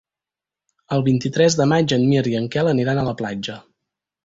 El vint-i-tres de maig en Mirt i en Quel aniran a la platja.